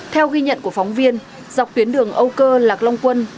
theo ghi nhận của phóng viên dọc tuyến đường âu cơ lạc long quân